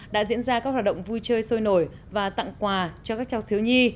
đã diễn ra các hoạt động vui chơi sôi nổi và tặng quà cho các cháu thiếu nhi